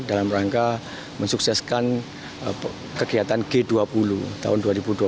dalam rangka mensukseskan kegiatan g dua puluh tahun dua ribu dua puluh